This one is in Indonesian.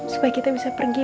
supaya kita bisa pergi